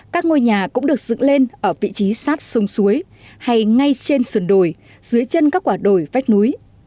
các ngôi nhà cũng được dựng lên ở vị trí sát sông suối hay ngay trên sườn đồi dưới chân các quả đồi vách núi